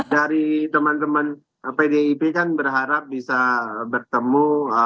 dari teman teman pdip kan berharap bisa bertemu